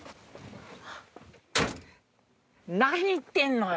何言ってんのよ！